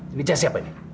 ini jas siapa ini